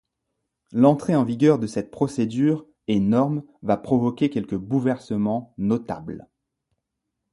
L'entrée en vigueur de cette procédure et norme va provoquer quelques bouleversements notables.